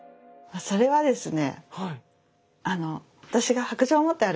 それはですね